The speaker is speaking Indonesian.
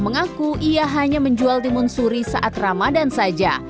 memiliki kekuatan untuk memiliki kekuatan untuk memiliki kekuatan untuk memiliki kekuatan untuk